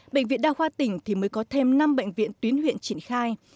bệnh viện đa khoa tỉnh thì mới có thêm năm bệnh viện tuyến huyện triển khai